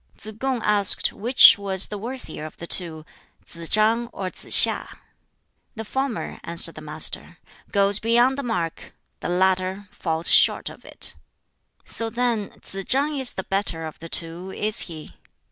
Tsz kung asked which was the worthier of the two Tsz chang or Tsz hiŠ. "The former," answered the Master, "goes beyond the mark; the latter falls short of it." "So then Tsz chang is the better of the two, is he?"